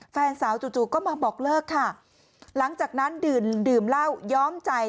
แฟนสาวจู่จู่ก็มาบอกเลิกค่ะหลังจากนั้นดื่มดื่มเหล้าย้อมใจ